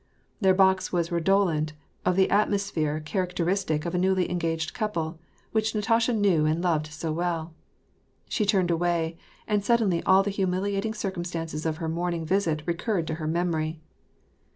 Their box was redolent of that atmosphere char acteristic of a newly engaged couple, which Natasha knew and loved so well. She turned away, and suddenly all the humiliat ing circumstances of her morning visit recurred to her memory.